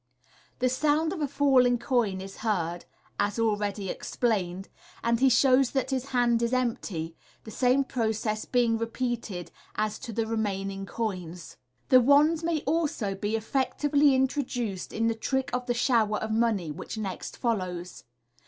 " The sound of a falling coin is heard (as already explained), and he shows that his hand is empty, the same process being repeated as tc the remaining coins. The wand may also be effectively introduced in the trick of the Shower of Money, which next follows.